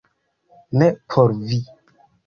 Ne por vi